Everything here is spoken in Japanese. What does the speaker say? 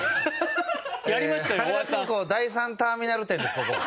羽田空港第３ターミナル店です。